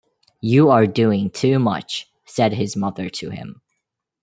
“You are doing too much,” said his mother to him.